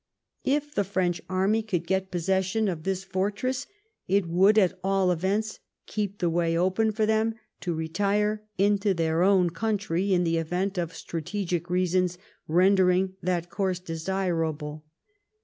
If the French army could get possession of this fortress it would, at all events, keep the way open for them to retire into their own country in the event of strategic reasons rendering that course desirable.